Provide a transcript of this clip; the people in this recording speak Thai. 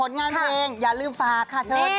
ผลงานเพลงอย่าลืมฝากค่ะเชิญค่ะ